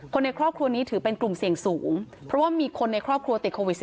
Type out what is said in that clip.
ในครอบครัวนี้ถือเป็นกลุ่มเสี่ยงสูงเพราะว่ามีคนในครอบครัวติดโควิด๑๙